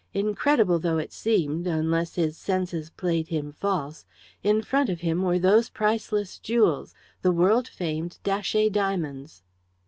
Incredible though it seemed, unless his senses played him false, in front of him were those priceless jewels the world famed Datchet diamonds!